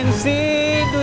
bang cepetan bang